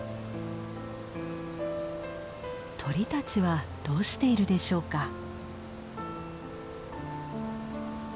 鳥たちはどうしているでしょうか。